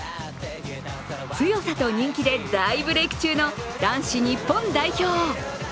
強さと人気で大ブレーク中の男子日本代表。